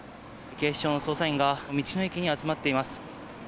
警視庁の捜査員が道の駅に集まっています。